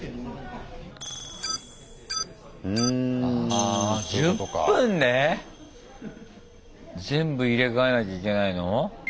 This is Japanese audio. ああ１０分で⁉全部入れ替えなきゃいけないの？